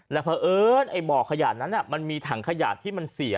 แล้วเผอิญบ่อขยะนั้นมีถังขยะที่มันเสีย